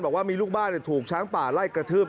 บอกว่ามีลูกบ้านถูกช้างป่าไล่กระทืบ